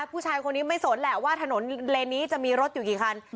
ผู้ชายคนนี้ไม่สนแหละว่าถนนเลนนี้จะมีรถอยู่กี่คัน